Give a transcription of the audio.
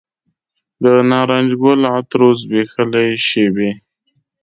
د نارنج ګل عطرو زبیښلې شیبې